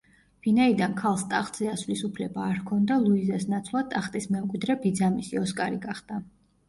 ვინაიდან ქალს ტახტზე ასვლის უფლება არ ჰქონდა, ლუიზას ნაცვლად ტახტის მემკვიდრე ბიძამისი, ოსკარი გახდა.